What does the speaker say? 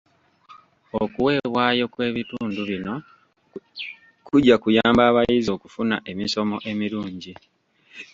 Okuweebwayo kw'ebintu bino kujja kuyamba abayizi okufuna emisomo emirungi.